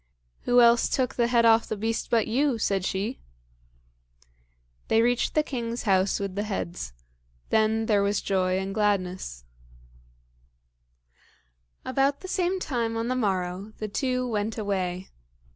"Who else took the head off the beast but you?" said she. They reached the king's house with the heads. Then there was joy and gladness. About the same time on the morrow, the two went away.